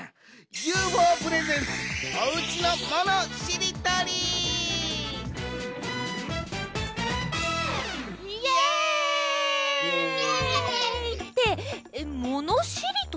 ＵＦＯプレゼンツイエーイ！ってモノしりとり？